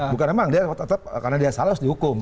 bukan emang dia tetap karena dia salah harus dihukum